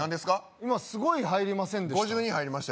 今すごい入りませんでした？